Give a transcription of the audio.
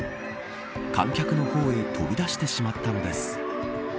観客の方へ飛び出してしまったのです。